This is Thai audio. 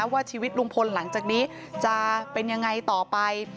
ว่าชีวิตลุงพลหลังจากนี้จะเป็นยังไงต่อไป